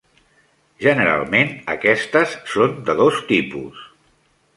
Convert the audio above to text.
Generalment aquestes són de dos tipus.